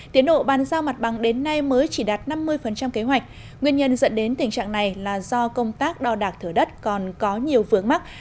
tiến độ bàn giao mặt bằng đến nay mới chỉ đạt năm mươi kế hoạch nguyên nhân dẫn đến tình trạng này là do công tác đo đạc thửa đất còn có nhiều vướng mắt